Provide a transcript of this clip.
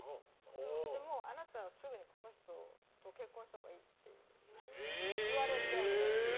もう、あなたはすぐにこの人と結婚したほうがいいって言われて。